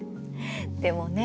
でもね